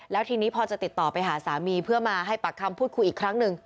แล้วทีนี้พอจะติดต่อไปหาสามีเพื่อมาให้ปากคำพูดคุยอีกครั้งหนึ่ง